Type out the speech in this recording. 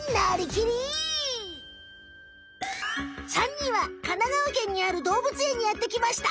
３にんは神奈川県にあるどうぶつえんにやってきました！